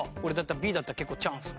Ｂだったら結構チャンス。